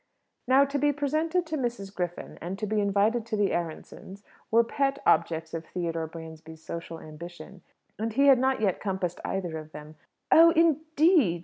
Now to be presented to Mrs. Griffin and to be invited to the Aaronssohns' were pet objects of Theodore Bransby's social ambition, and he had not yet compassed either of them. "Oh, indeed!"